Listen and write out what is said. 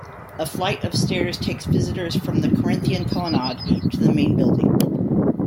A flight of stairs takes visitors from the Corinthian colonnade to the main building.